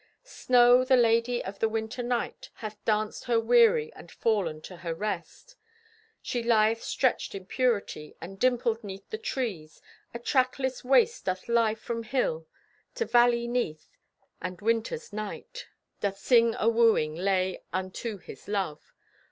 Snow, the lady of the Winter Knight, Hath danced her weary and fallen to her rest. She lieth stretched in purity And dimpled 'neath the trees. A trackless waste doth lie from hill To valley 'neath, and Winter's Knight Doth sing a wooing lay unto his love.